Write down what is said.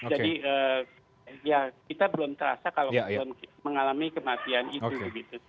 jadi kita belum terasa kalau kita mengalami kematian itu